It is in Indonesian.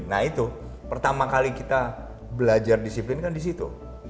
nah itu pertama kali kita belajar disiplin kan disitu